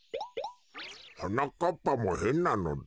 はなかっぱもへんなのだ。